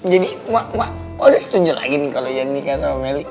jadi ma udah setuju lagi nih kalo nyan nikah sama meli